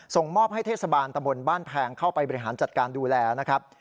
ส่งมอบให้เทศบาลตะบนบ้านแพงเข้าไปบริหารจัดการดูแลนะครับ